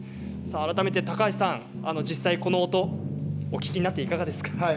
改めて高橋さん、実際にこの音お聴きになって、いかがですか？